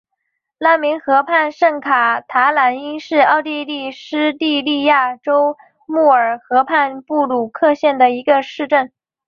拉明河畔圣卡塔赖因是奥地利施蒂利亚州穆尔河畔布鲁克县的一个市镇。